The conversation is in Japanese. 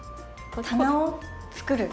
棚を作る？